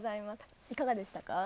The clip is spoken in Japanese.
いかがでしたか？